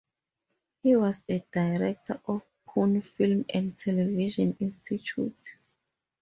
He was the director of Pune Film and Television Institute.